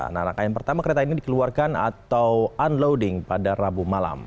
nah rangkaian pertama kereta ini dikeluarkan atau unloading pada rabu malam